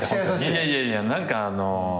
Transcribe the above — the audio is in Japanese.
いやいやいや何かあの。